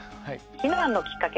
避難のきっかけ